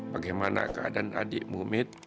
bagaimana keadaan adikmu mit